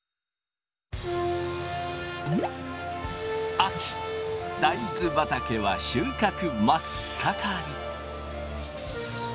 秋大豆畑は収穫真っ盛り。